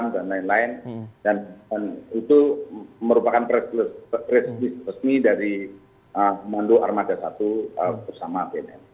dan lain lain dan itu merupakan presidis resmi dari mandu armada i bersama bnn